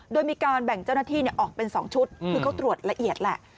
โดยมีการแบ่งเจ้าหน้าที่ออกเป็น๒ชุดคือเขาตรวจละเอียดแหละ